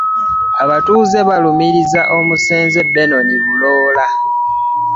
Abatuuze balumiriza omusenze Benon Bulora